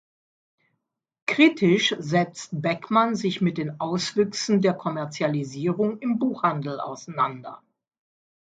Kritisch setzt Beckmann sich mit den Auswüchsen der Kommerzialisierung im Buchhandel auseinander.